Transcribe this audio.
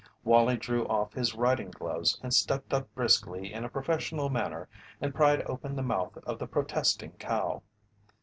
Wallie drew off his riding gloves and stepped up briskly in a professional manner and pried open the mouth of the protesting cow.